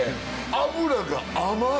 脂が甘い！